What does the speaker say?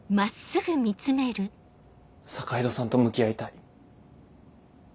坂井戸さんと向き合いたい。